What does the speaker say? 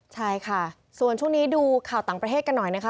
ใช่ค่ะส่วนช่วงนี้ดูข่าวต่างประเทศกันหน่อยนะคะ